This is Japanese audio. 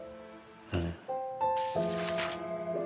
うん。